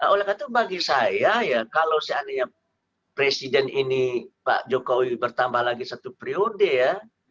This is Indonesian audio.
oleh karena itu bagi saya ya kalau seandainya presiden ini pak jokowi bertambah lagi satu periode ya